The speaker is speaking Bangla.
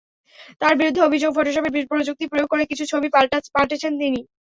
তাঁর বিরুদ্ধে অভিযোগ, ফটোশপের প্রযুক্তি প্রয়োগ করে কিছু ছবি পাল্টেছেন তিনি।